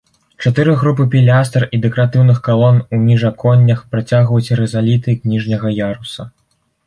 Чатыры групы пілястр і дэкаратыўных калон у міжаконнях працягваюць рызаліты ніжняга яруса.